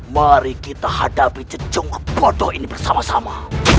mari kita hadapi jencung bodoh ini bersama sama